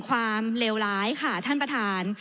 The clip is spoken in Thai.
ดากมันค่ะท่านประทาน